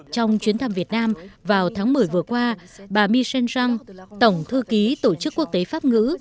trong chuyến thăm việt nam vào tháng một mươi vừa qua bà my shen zhang tổng thư ký tổ chức quốc tế pháp ngữ